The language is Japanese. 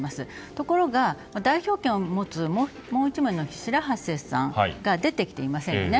ところが、代表権を持つもう１名の白波瀬さんが出てきていませんよね。